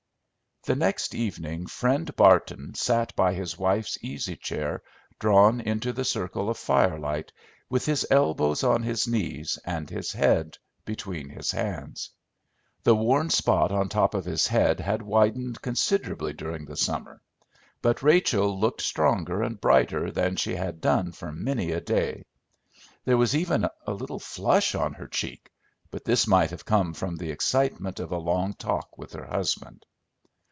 The next evening Friend Barton sat by his wife's easy chair drawn into the circle of firelight, with his elbows on his knees and his head between his hands. The worn spot on the top of his head had widened considerably during the summer, but Rachel looked stronger and brighter than she had done for many a day. There was even a little flush on her cheek, but this might have come from the excitement of a long talk with her husband.